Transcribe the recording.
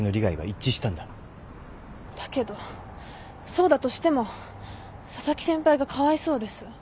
だけどそうだとしても紗崎先輩がかわいそうです。